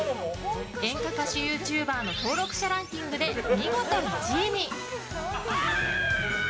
演歌歌手ユーチューバーの登録者ランキングで見事１位に。